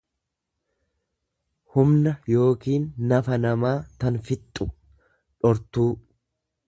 humna yookiin nafa namaa tan fixxu, dhortuu.